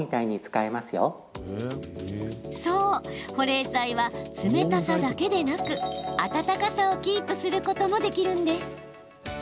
そう、保冷剤は冷たさだけでなく温かさをキープすることもできるんです。